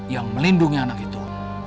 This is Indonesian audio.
yang melindungi anak itu